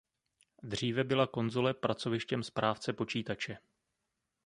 Dříve byla konzole pracovištěm správce počítače.